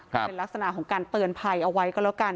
เป็นลักษณะของการเตือนภัยเอาไว้ก็แล้วกัน